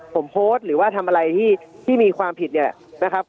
ผมโพสต์หรือว่าทำอะไรที่มีความผิดเนี่ยนะครับ